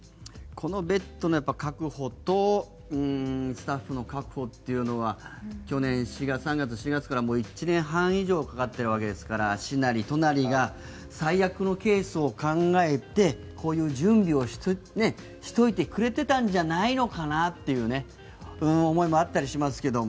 このベッドの確保とスタッフの確保というのが去年３月、４月から１年半以上かかってるわけですから市なり都なりが最悪のケースを考えてこういう準備をしておいてくれていたんじゃないのかなというような思いもあったりしますけど。